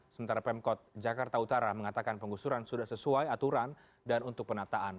sementara pemkot jakarta utara mengatakan penggusuran sudah sesuai aturan dan untuk penataan